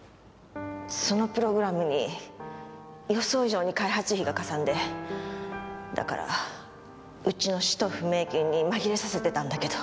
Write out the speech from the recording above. そのプログラムに予想以上に開発費がかさんでだからうちの使途不明金に紛れさせてたんだけど。